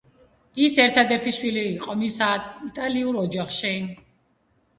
ის ერთადერთი შვილი იყო მის იტალიურ ოჯახში.